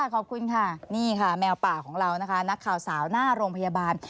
ขอบคุณค่ะนี่ค่ะแมวป่าของเรานะคะนักข่าวสาวหน้าโรงพยาบาล